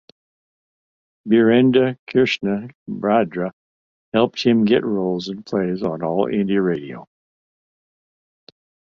Birendra Krishna Bhadra helped him get roles in plays on All India Radio.